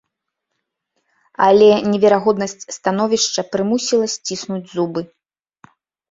Але невыгоднасць становішча прымусіла сціснуць зубы.